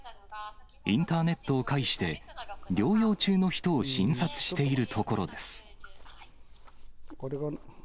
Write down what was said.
インターネットを介して、療養中の人を診察しているところです。